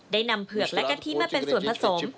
ได้นำเผือกและกะทิมาเป็นส่วนผสม